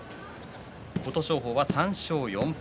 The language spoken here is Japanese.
琴勝峰は３勝４敗